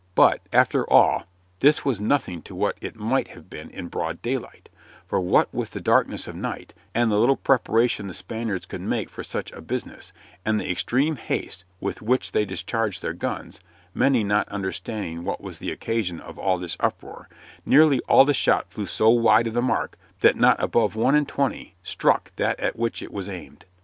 But, after all, this was nothing to what it might have been in broad daylight, for what with the darkness of night, and the little preparation the Spaniards could make for such a business, and the extreme haste with which they discharged their guns (many not understanding what was the occasion of all this uproar), nearly all the shot flew so wide of the mark that not above one in twenty struck that at which it was aimed.